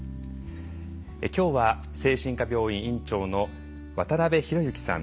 今日は精神科病院院長の渡邉博幸さん。